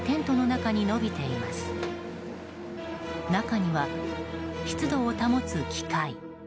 中には湿度を保つ機械。